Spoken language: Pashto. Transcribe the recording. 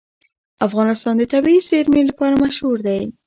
افغانستان د طبیعي زیرمې لپاره مشهور دی.